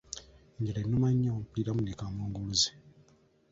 Enjala ennuma nnyo mpuliramu ne kamunguluze.